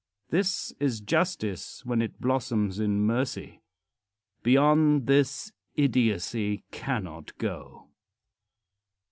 This is justice when it blossoms in mercy. Beyond this idiocy cannot go.